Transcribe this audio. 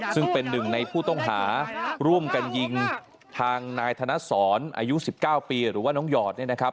ซึ่งเป็นหนึ่งในผู้ต้องหาร่วมกันยิงทางนายธนสรอายุ๑๙ปีหรือว่าน้องหยอดเนี่ยนะครับ